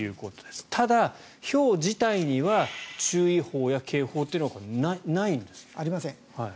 ただ、ひょう自体には注意報や警報というのはないんですね。ありません。